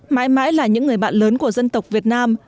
mãi mãi là những người bạn lớn của dân tộc việt nam